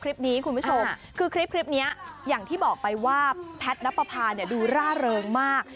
คลิปนี้คุณผู้ชมคือคลิปนี้อย่างที่บอกไปว่าแพทย์นับประพาดูร่าเริงมาก